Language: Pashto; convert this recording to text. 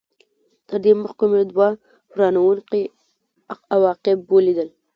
تر دې مخکې مو دوه ورانوونکي عواقب ولیدل.